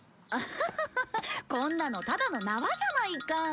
ハハハッこんなのただのなわじゃないか。